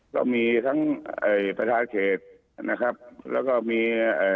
ก็มีทั้งประธาเกษนะครับแล้วก็มี